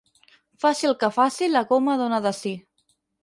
Faci el que faci, la goma dóna de si.